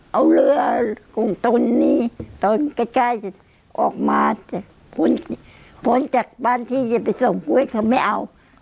เอาเรือกลงตรงนี้ต้องก็ได้ออกมาจะพ้นพ้นจากบ้านที่จะไปส่งกล้วยเขาไม่เอา